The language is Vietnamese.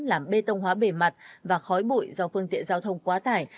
làm bê tông hóa bề mặt và khói bụi do phương tiện giao thông quá tải